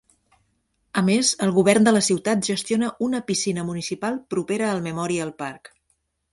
A més, el govern de la ciutat gestiona una piscina municipal propera al Memorial Park.